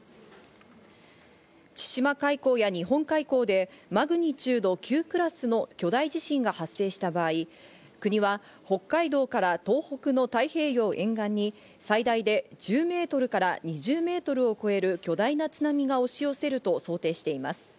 千島海溝や日本海溝でマグニチュード９クラスの巨大地震が発生した場合、国は北海道から東北の太平洋沿岸に最大で１０メートルから２０メートルを超える巨大な津波が押し寄せると想定しています。